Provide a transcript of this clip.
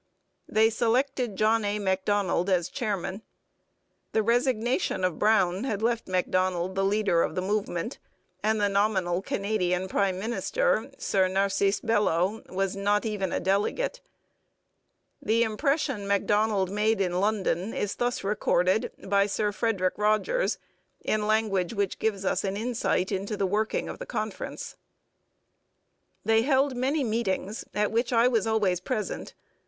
They selected John A. Macdonald as chairman. The resignation of Brown had left Macdonald the leader of the movement, and the nominal Canadian prime minister, Sir Narcisse Belleau, was not even a delegate. The impression Macdonald made in London is thus recorded by Sir Frederic Rogers in language which gives us an insight into the working of the conference: They held many meetings, at which I was always present.